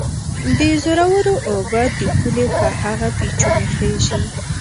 د زورورو اوبه د پولې په هغه پېچومي خېژي